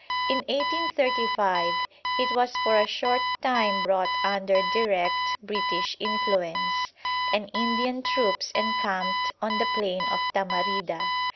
In 1835 it was for a short time brought under direct British influence, and Indian troops encamped on the plain of Tamarida.